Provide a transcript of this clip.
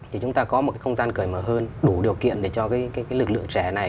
thì chúng ta có một cái không gian cởi mở hơn đủ điều kiện để cho cái lực lượng trẻ này